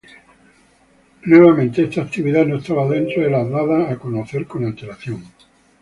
Nuevamente, esta actividad no estaba dentro de las dadas a conocer con antelación.